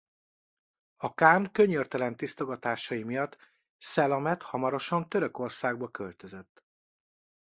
A kán könyörtelen tisztogatásai miatt Szelamet hamarosan Törökországba költözött.